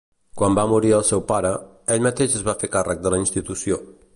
Quan va morir el seu pare, ell mateix es va fer càrrec de la institució.